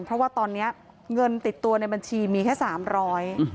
เพราะว่าตอนนี้เงินติดตัวในบัญชีมีแค่๓๐๐บาท